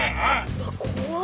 うわっ怖っ！